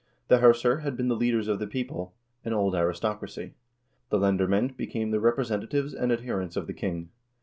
The herser had been the leaders of the people — an old aristocracy ; the lendermaend became the representatives and adherents of the king.